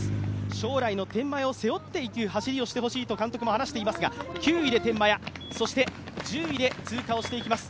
将来の天満屋を背負っていく走りをしてほしいと監督も話していますが９位で天満屋、そして１０位で通過していきます